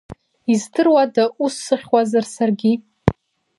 Издыруада ус сыхьуазар саргьы?!